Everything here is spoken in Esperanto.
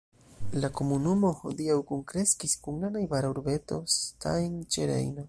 La komunumo hodiaŭ kunkreskis kun la najbara urbeto Stein ĉe Rejno.